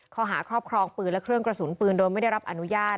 ครอบครองปืนและเครื่องกระสุนปืนโดยไม่ได้รับอนุญาต